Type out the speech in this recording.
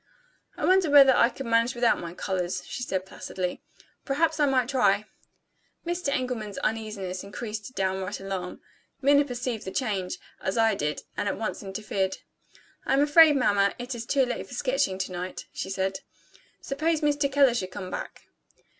"I wonder whether I could manage without my colors?" she said placidly. "Perhaps I might try." Mr. Engelman's uneasiness increased to downright alarm. Minna perceived the change, as I did, and at once interfered. "I am afraid, mamma, it is too late for sketching to night," she said. "Suppose Mr. Keller should come back?"